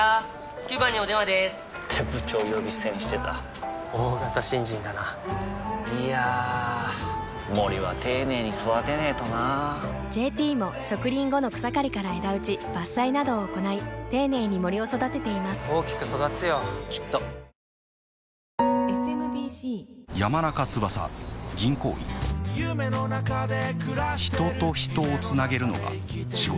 ９番にお電話でーす！って部長呼び捨てにしてた大型新人だないやー森は丁寧に育てないとな「ＪＴ」も植林後の草刈りから枝打ち伐採などを行い丁寧に森を育てています大きく育つよきっとトヨタイムズの富川悠太です